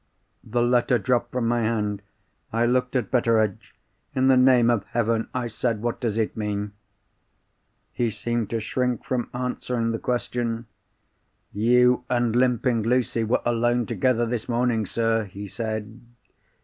The letter dropped from my hand. I looked at Betteredge. "In the name of Heaven," I said, "what does it mean?" He seemed to shrink from answering the question. "You and Limping Lucy were alone together this morning, sir," he said.